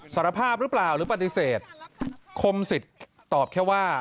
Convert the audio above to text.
สารภาพหรือเปล่าหรือปฏิเสธคมสิทธิ์ตอบแค่ว่า